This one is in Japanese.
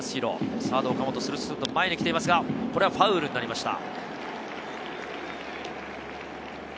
サード・岡本、スルスルっと前に来ていますが、これはファウルになりました。